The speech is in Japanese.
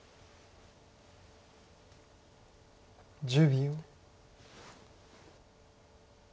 １０秒。